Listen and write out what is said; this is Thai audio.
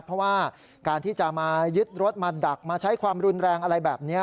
เพราะว่าการที่จะมายึดรถมาดักมาใช้ความรุนแรงอะไรแบบนี้